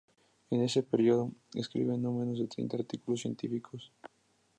En ese periodo, escribe no menos de treinta artículos científicos.